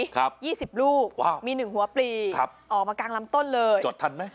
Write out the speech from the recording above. ยี่สิบลูกว้าวมีหนึ่งหัวปลีครับออกมากลางลำต้นเลยจอดทันไหม